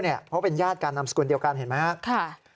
เพราะเป็นญาติการนำสกุลเดียวกันเห็นไหมครับ